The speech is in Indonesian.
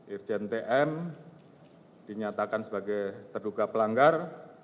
irjen tm dinyatakan sebagai terduga pelanggar